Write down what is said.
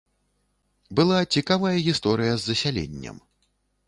Была цікавая гісторыя з засяленнем.